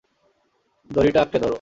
দড়িটা আকড়ে ধরো!